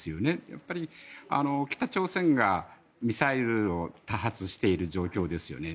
やっぱり北朝鮮が、ミサイルを多発している状況ですよね。